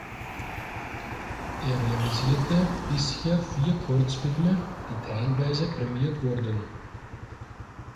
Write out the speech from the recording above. Er realisierte bisher vier Kurzfilme, die teilweise prämiert wurden.